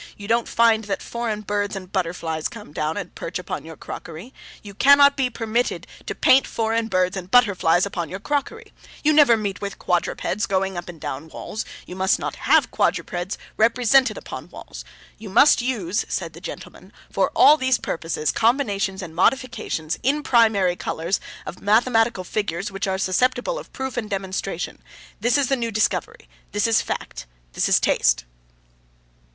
You don't find that foreign birds and butterflies come and perch upon your crockery; you cannot be permitted to paint foreign birds and butterflies upon your crockery. You never meet with quadrupeds going up and down walls; you must not have quadrupeds represented upon walls. You must use,' said the gentleman, 'for all these purposes, combinations and modifications (in primary colours) of mathematical figures which are susceptible of proof and demonstration. This is the new discovery. This is fact. This is taste.